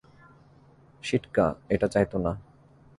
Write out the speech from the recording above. সিটকা এটা চাইত না।